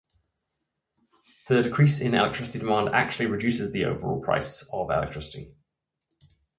The decrease in electricity demand actually reduces the overall price of electricity.